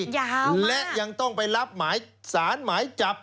อย่าฮะและยังต้องไปรับหมายสารหมายจับ